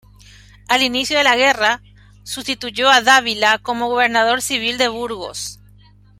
Al inicio de la guerra, sustituyó a Dávila como Gobernador Civil de Burgos.